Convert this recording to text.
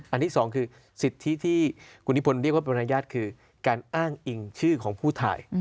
ที่สองคือสิทธิที่คุณนิพนธ์เรียกว่าบรรยาทคือการอ้างอิงชื่อของผู้ถ่าย